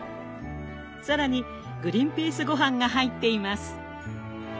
更にグリンピースごはんが入っています。